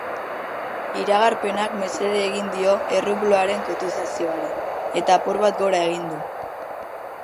Iragarpenak mesede egin dio errubloaren kotizazioari, eta apur bat gora egin du.